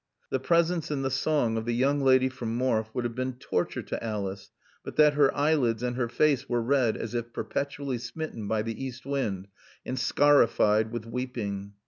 The presence and the song of the young lady from Morfe would have been torture to Alice, but that her eyelids and her face were red as if perpetually smitten by the east wind and scarified with weeping.